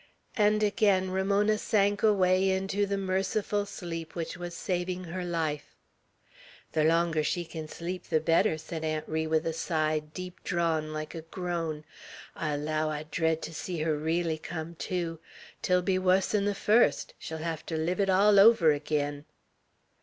And again Ramona sank away into the merciful sleep which was saving her life. "Ther longer she kin sleep, ther better," said Aunt Ri, with a sigh, deep drawn like a groan. "I allow I dread ter see her reely come to. 'T'll be wus'n the fust; she'll hev ter live it all over again!"